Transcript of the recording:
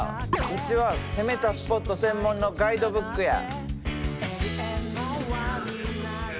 うちは攻めたスポット専門のガイドブックや。